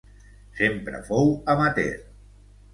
Sempre fou amateur.